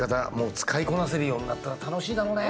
使いこなせるようになったら楽しいだろうね。